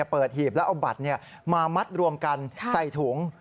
หีบแล้วเอาบัตรมามัดรวมกันใส่ถุง